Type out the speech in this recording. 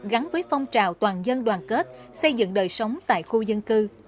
gắn với phong trào toàn dân đoàn kết xây dựng đời sống tại khu dân cư